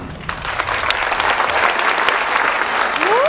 ขอให้โชคดีค่ะ